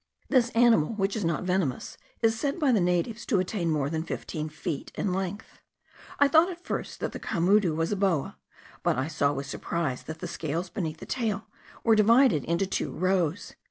This animal, which is not venomous, is said by the natives to attain more than fifteen feet in length. I thought at first, that the camudu was a boa; but I saw with surprise, that the scales beneath the tail were divided into two rows.